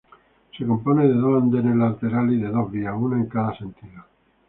Se compone de dos andenes laterales y de dos vías, una en cada sentido.